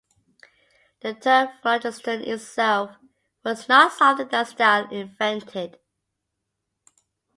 The term phlogiston itself was not something that Stahl invented.